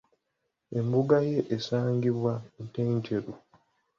Embuga ye esangibwa Ntenjeru.